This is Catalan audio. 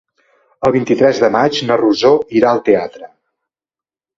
El vint-i-tres de maig na Rosó irà al teatre.